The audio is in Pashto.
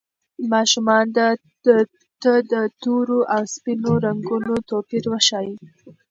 ماشومانو ته د تورو او سپینو رنګونو توپیر وښایئ.